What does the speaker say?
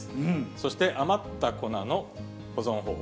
そして余った粉の保存方法。